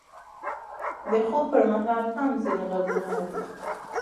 د خوب پر مهال هم ځینې غږونه اورو.